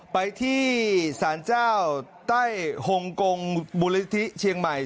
ไปที่สารเจ้าใต้ฮงกงมูลนิธิเชียงใหม่